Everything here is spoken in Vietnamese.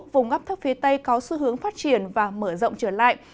vùng ngắp thấp phía tây có xu hướng phát triển và mở rộng trở lại